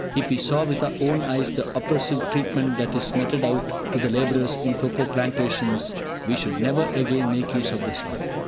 If we saw with our own eyes the oppressive treatment that is meted out to the labourers in cocoa plantations, we should never again make use of the stuff.